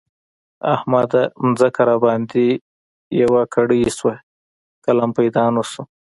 احمده! ځمکه راباندې يوه کړۍ شوه؛ قلم پيدا نه شو.